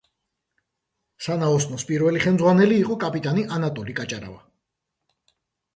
სანაოსნოს პირველი ხელმძღვანელი იყო კაპიტანი ანატოლი კაჭარავა.